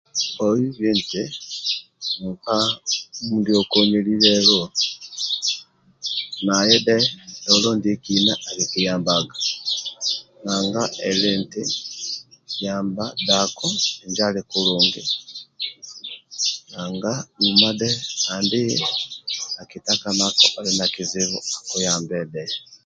Ohibhe oti mkpa mindyonkonyeli lelu naye tolo ndyekina akukuyambaga nanga emi nti yamba dhako ali kulungi huma akukutana noli na kizibu naye akuyambe